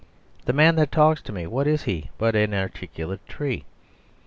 That man that talks to me, what is he but an articulate tree?